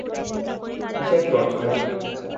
কীসের টর্চ ভাই?